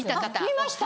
見ました。